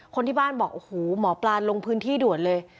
คนที่บ้านบอกโอ้โหหมอปลาลงพื้นที่ด่วนเลย